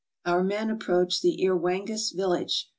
Our men approached an Irwangas village.